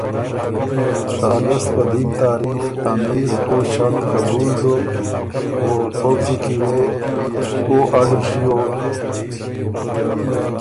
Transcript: ته اګست په دیم تاریخ امیر او ݭړط قبول دوک او پؤځی کی وې او اډر ڒیوک